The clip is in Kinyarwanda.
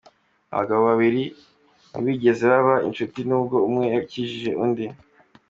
Aba bagabo babiri ntibigeze baba inshuti n’ubwo umwe yakijije undi.